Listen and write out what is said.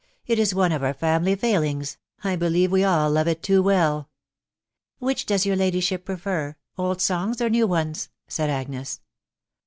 *' It is one of our family failings, — I believe we all love it too well." g€ Which does your ladyship prefer, old songs or new ones?" said Agnes.